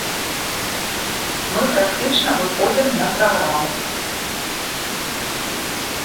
Мы практычна выходзім на праграму.